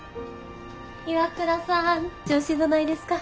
岩倉さん調子どないですか？